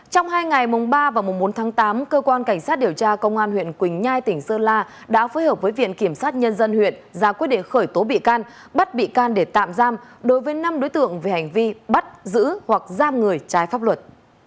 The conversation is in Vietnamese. trong hai ngày mùng ba và mùng bốn tháng tám cơ quan cảnh sát điều tra công an huyện quỳnh nhai tỉnh sơn la đã phối hợp với viện kiểm sát nhân dân huyện ra quyết định khởi tố bị can bắt bị can để tạm giam đối với năm đối tượng về hành vi bắt giữ hoặc giam người trái pháp luật